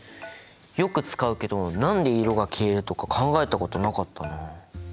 よく使うけど何で色が消えるとか考えたことなかったな。